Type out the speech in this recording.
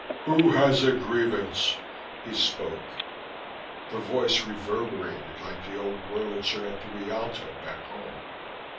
"Who has a grievance?" he spoke. The voice reverberated like the old Wurlitzer at the Rialto back home.